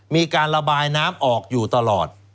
มีการระบายน้ำออกอยู่ตลอด